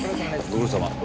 ご苦労さまです。